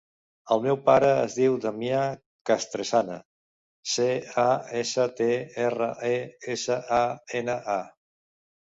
El meu pare es diu Damià Castresana: ce, a, essa, te, erra, e, essa, a, ena, a.